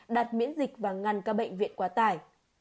đạt miễn dịch và ngăn các bệnh viện quá tải